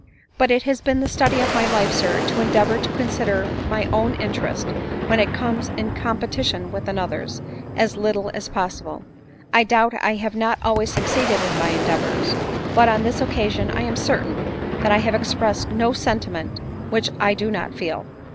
" But it has been the study of my life, sir, to endeavor to consider my own interest, when it comes in competi tion with another's, as little as possible ; I doubt I have not always succeeded in my endeavors ; but, on this oc casion I am certain, that I have expressed no sentiment which I do .not feel."